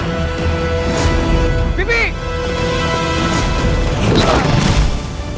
ayo kita pergi ke tempat yang lebih baik